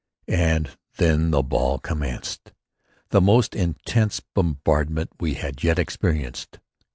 And then the ball commenced the most intense bombardment we had yet experienced.